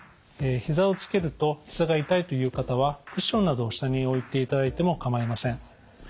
ひざをつけるとひざが痛いという方はクッションなどを下に置いていただいてもかまいません。